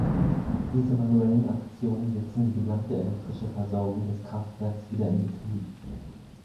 Diese manuellen Aktionen setzten die gesamte elektrische Versorgung des Kraftwerks wieder in Betrieb.